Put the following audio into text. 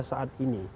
pada saat ini